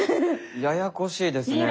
ややこしいですね。